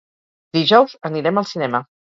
Dijous anirem al cinema.